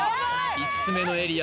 ５つ目のエリア